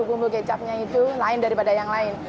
bumbu kecapnya itu lain daripada yang lain